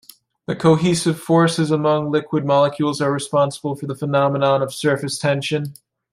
The cohesive forces among liquid molecules are responsible for the phenomenon of surface tension.